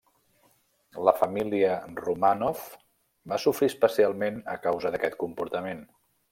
La família Romànov va sofrir especialment a causa d'aquest comportament.